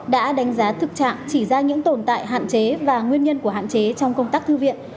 đã đánh giá thực trạng chỉ ra những tồn tại hạn chế và nguyên nhân của hạn chế trong công tác thư viện